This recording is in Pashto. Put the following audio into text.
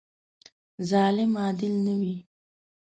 ظالم عادل نه وي.